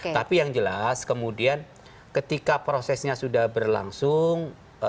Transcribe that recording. tapi yang jelas kemudian ketika prosesnya sudah berlangsung